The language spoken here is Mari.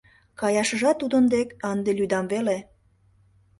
— Каяшыжат тудын дек ынде лӱдам веле.